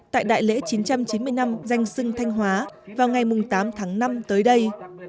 tại đại lễ chín trăm chín mươi năm danh sưng thanh hóa vào ngày tám tháng năm tới đây